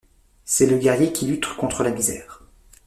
C'est le guerrier qui lutte contre la misère.